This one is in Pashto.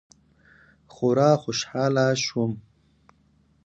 خورا خوشاله سوم.